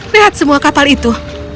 lihat semua kapal itu